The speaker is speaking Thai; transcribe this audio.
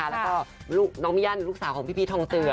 แล้วก็น้องมียานลูกสาวพี่พรีทองเตือ